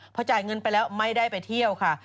พอจ่ายเงินไปแล้วไม่ได้ไปเที่ยวค่ะ